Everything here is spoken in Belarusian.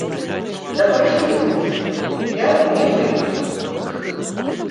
Да пайшлі яны ўсе, я не прыйду сюды больш!